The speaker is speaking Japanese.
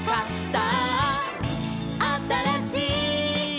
「さああたらしい」